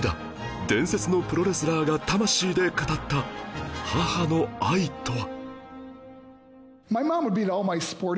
伝説のプロレスラーが魂で語った母の愛とは？